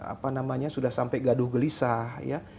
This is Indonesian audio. apa namanya sudah sampai gaduh gelisah ya